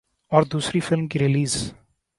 اور دوسری فلم کی ریلیز